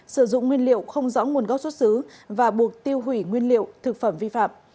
sử dụng nguyên liệu không rõ nguồn gốc xuất xứ và buộc tiêu hủy nguyên liệu thực phẩm vi phạm